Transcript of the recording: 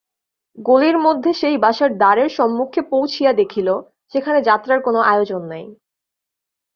গলির মধ্যে সেই বাসার দ্বারের সম্মুখে পৌঁছিয়া দেখিল, সেখানে যাত্রার কোনো আয়োজন নাই।